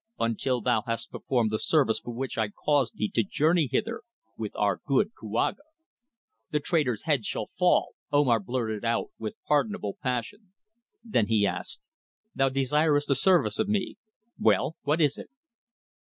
"Until thou hast performed the service for which I caused thee to journey hither with our good Kouaga." "The traitor's head shall fall," Omar blurted out with pardonable passion. Then he asked, "Thou desirest a service of me. Well, what is it?"